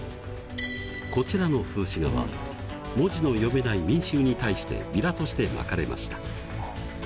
こちらの風刺画は文字の読めない民衆に対してビラとしてまかれました。